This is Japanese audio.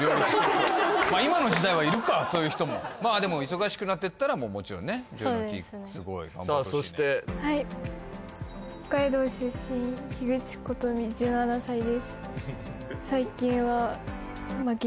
今の時代はいるかそういう人もまあでも忙しくなってったらもうもちろんねそうですねすごい頑張ってほしいねさあそしてはい北海道出身樋口琴美１７歳です